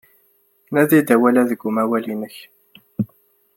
Nadi-d awal-a deg umawal-nnek.